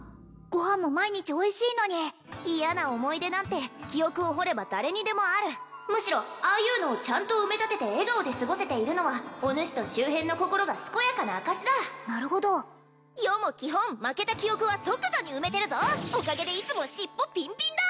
ご飯も毎日おいしいのに嫌な思い出なんて記憶を掘れば誰にでもあるむしろああいうのをちゃんと埋め立てて笑顔で過ごせているのはおぬしと周辺の心が健やかな証しだなるほど余も基本負けた記憶は即座に埋めてるぞおかげでいつも尻尾ピンピンだ！